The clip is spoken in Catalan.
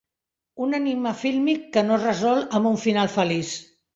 Un enigma fílmic que no es resol amb un final feliç.